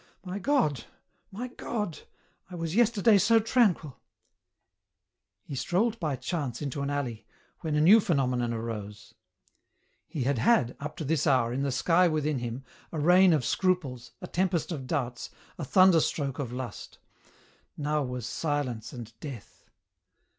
My God, my God ! I was yesterday so tranquil." He strolled by chance into an alley, when a new pheno menon arose. He had had, up to this hour, in the sky within him, a rain of scruples, a tempest of doubts, a thunderstroke of lust ; now was silence and death.